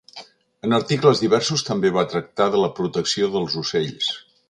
En articles diversos també va tractar de la protecció dels ocells.